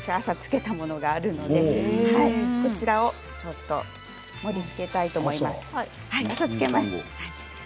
朝、漬けたものがありますのでこちらを盛りつけたいと思います。